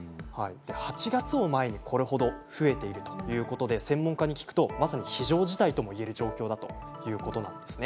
８月を前にこれほど増えているということで専門家に聞くとまさに非常事態といえる状態だということです。